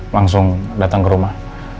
langsung datang ke rumah